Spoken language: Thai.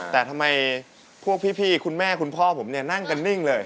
แต่ทำไมพวกพี่คุณแม่คุณพ่อผมเนี่ยนั่งกันนิ่งเลย